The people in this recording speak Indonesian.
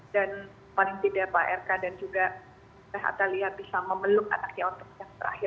dan paling tidak pak rk dan juga raih atta liar bisa memeluk anaknya untuk yang terakhir